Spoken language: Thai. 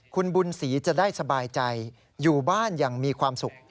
คุณบุญศรีจะได้สบายใจอยู่บ้านอย่างมีความสุข